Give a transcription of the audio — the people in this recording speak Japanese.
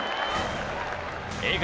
笑顔